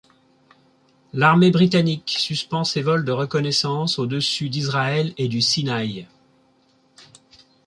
L'armée britannique suspend ses vols de reconnaissance au-dessus d'Israël et du Sinaï.